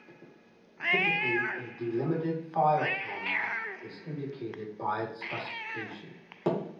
Typically a delimited file format is indicated by a specification.